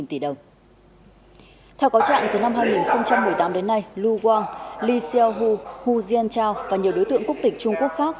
theo cáo trạng từ năm hai nghìn một mươi tám đến nay lu wang li xiaohu hu jianchao và nhiều đối tượng quốc tịch trung quốc khác